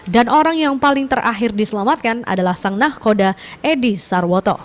dan orang yang paling terakhir diselamatkan adalah sang nahkoda edi sarwoto